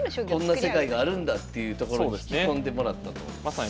こんな世界があるんだっていうところに引き込んでもらったと。